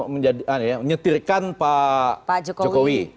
menyetirkan pak jokowi